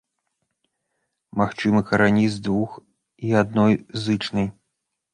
Магчымы карані з двух і адной зычнай.